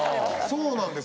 そうなんですよ。